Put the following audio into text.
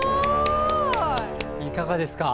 いかがですか？